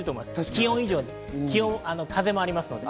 気温以上に風もありますので。